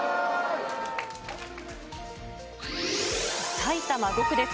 埼玉５区です。